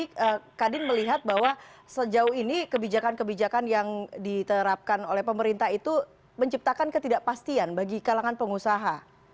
jadi kadin melihat bahwa sejauh ini kebijakan kebijakan yang diterapkan oleh pemerintah itu menciptakan ketidakpastian bagi kalangan pengusaha